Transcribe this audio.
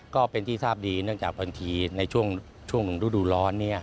ก็เป็นที่ทราบดีเนื่องจากบางทีในช่วงฤดูร้อน